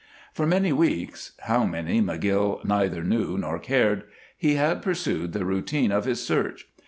For many weeks how many McGill neither knew nor cared he had pursued the routine of his search.